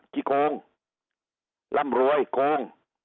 ที่โกงร่ำรวยโกง